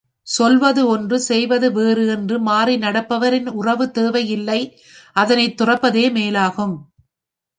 சொல்வது ஒன்று, செய்வது வேறு என்று மாறி நடப்பவரின் உறவு தேவை இல்லை அதனைத்துறப்பதே மேலாகும்.